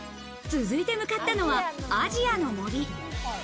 続いて向かったのはアジアの森。